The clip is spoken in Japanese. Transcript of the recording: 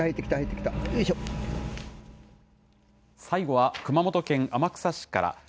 最後は熊本県天草市から。